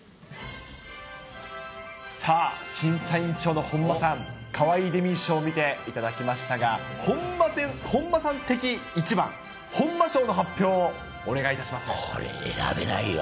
さあ、審査委員長の本間さん、かわいいデミー賞、見ていただきましたが、本間さん的１番、これ選べないよ。